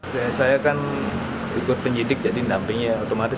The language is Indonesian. keluarga lah mudah mudahan kayak gitu aja